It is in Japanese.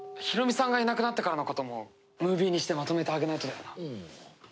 ヒロミさんがいなくなってからのこともムービーにしてまとめてあげないとだよな。